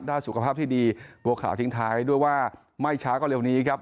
สุขภาพที่ดีบัวขาวทิ้งท้ายด้วยว่าไม่ช้าก็เร็วนี้ครับ